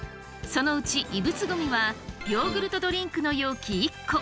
そのうち異物ゴミはヨーグルトドリンクの容器１個。